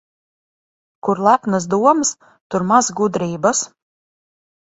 Kur lepnas domas, tur maz gudrības.